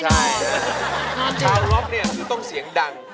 ใช่ชาวร็อกคือต้องเสียงดังโต๊ะต้องเสียงดัน